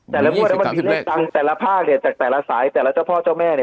แต่ละงวดนั้นมันมีเลขดังแต่ละภาคเนี่ยจากแต่ละสายแต่ละเจ้าพ่อเจ้าแม่เนี่ย